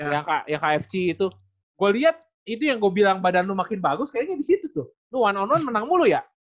ya kfc itu gue liat itu yang gue bilang badan lu makin bagus kayaknya di situ tuh lu satu satu satu menang mulu ya